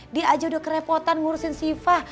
dia aja udah kerepotan ngurusin sifah